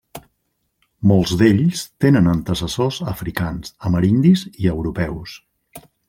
Molts d’ells tenen antecessors africans, amerindis i europeus.